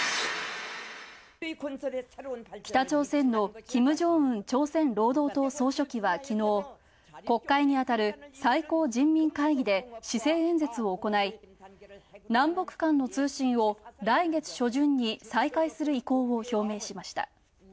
北朝鮮のキム・ジョンウン朝鮮労働党総書記はきのう、国会にあたる最高人民会議で施政演説を行い、南北間の通信を来月初旬に再開する意向を表明しました。